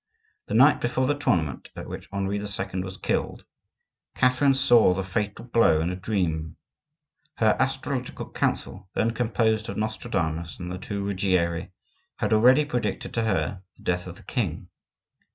The night before the tournament at which Henri II. was killed, Catherine saw the fatal blow in a dream. Her astrological council, then composed of Nostradamus and the two Ruggieri, had already predicted to her the death of the king.